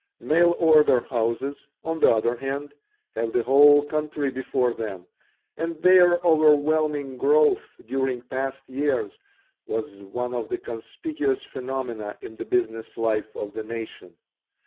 Mail order houses, on the other hand, have the whole country before them, and their overwhelming growth during past years was one of the conspicuous phenomena in the business life of the nation.